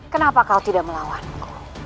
kenapa kau tidak melawanku